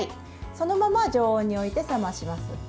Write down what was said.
そのまま常温に置いて冷まします。